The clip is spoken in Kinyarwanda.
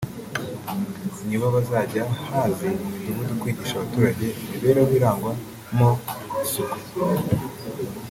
nibo bazajya hazi mu midugudu kwigisha abaturage imibereho irangwa mo isuku